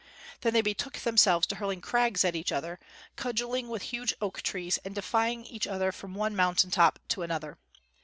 Then they betook themselves to hurling crags at each other, cudgeling with huge oak trees, and defying each other from one mountain top to another.